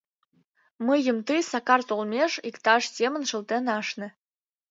Мыйым тый Сакар толмеш иктаж семын шылтен ашне...